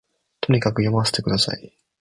とにかく読ませて下さい